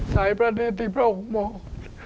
สายประเนติพระองค์มองค์